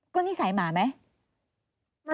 ก็นิสัยหมาไหม